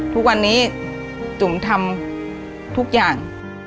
ทุกวันนี้จุ๋มทำทุกอย่าง